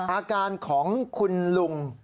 อาการของคุณลุง